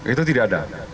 itu tidak ada